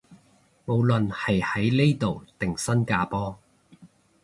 無論係喺呢度定新加坡